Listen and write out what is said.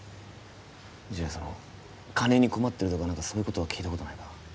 じゃあその金に困ってるとか何かそういうことは聞いたことないか？